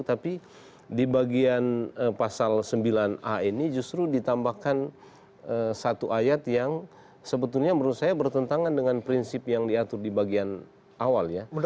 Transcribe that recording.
tapi di bagian pasal sembilan a ini justru ditambahkan satu ayat yang sebetulnya menurut saya bertentangan dengan prinsip yang diatur di bagian awal ya